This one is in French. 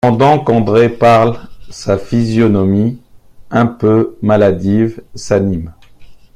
Pendant qu’André parle, sa physionomie un peu maladive s’anime.